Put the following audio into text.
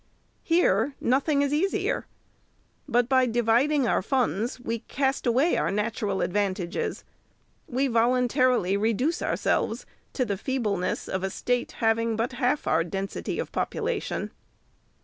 Here, nothing is easier. But by dividing our funds, we cast away our natural advantages. We voluntarily re duce ourselves to the feebleness of a State, having but half our density of population.